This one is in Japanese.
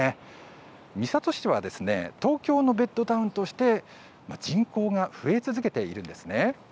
三郷市は東京のベッドタウンとして人口が増え続けているんです。